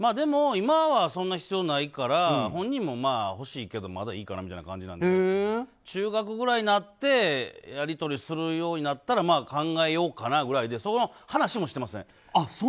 今はそんな必要ないから本人も欲しいけどまだいいかなみたいな感じだけど中学ぐらいになってやり取りするようになったら考えようかなぐらいでその話もしていません。